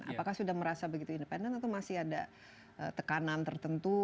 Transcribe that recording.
apakah sudah merasa begitu independen atau masih ada tekanan tertentu